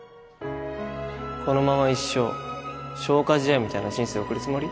このまま一生消化試合みたいな人生送るつもり？